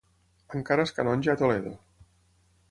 Encara és canonge a Toledo.